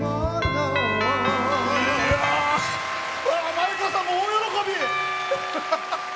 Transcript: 前川さんも大喜び！